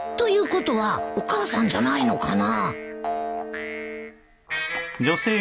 ことはお母さんじゃないのかな？